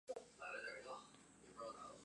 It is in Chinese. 寻擢汉军梅勒额真。